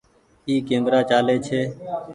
اي ڪيمرا چآلي ڇي